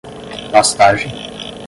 pastagem